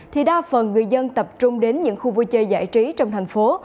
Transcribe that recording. thì đa phần người dân tập trung đến những khu vui chơi giải trí trong thành phố